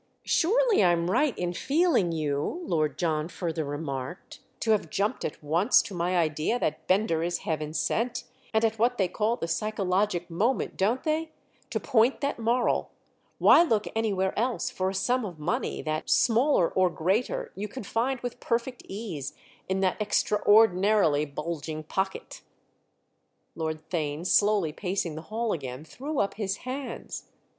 Surely I'm right in feeling you," Lord John further remarked, "to have jumped at once to my idea that Bender is heaven sent—and at what they call the psychologic moment, don't they?—to point that moral. Why look anywhere else for a sum of money that—smaller or greater—you can find with perfect ease in that extraordinarily bulging pocket?" Lord Theign, slowly pacing the hall again, threw up his hands.